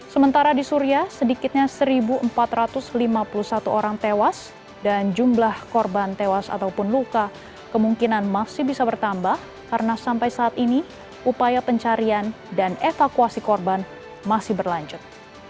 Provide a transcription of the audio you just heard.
sementara di suria sedikitnya satu empat ratus lima puluh satu orang tewas dan jumlah korban tewas ataupun luka kemungkinan masih bisa bertambah karena sampai saat ini upaya pencarian dan evakuasi korban masih berlanjut